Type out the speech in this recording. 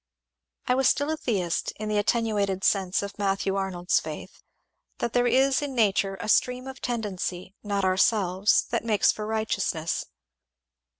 I was still a theist, in the attenuated sense of Matthew Arnold's faith, that there is in nature a stream of tendency, not ourselves, that makes for righteousness."